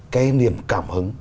cái niềm cảm hứng